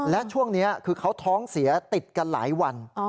และช่วงนี้คือเขาท้องเสียติดกันหลายวัน